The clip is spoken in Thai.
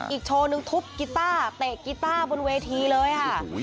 โชว์นึงทุบกีต้าเตะกีต้าบนเวทีเลยค่ะ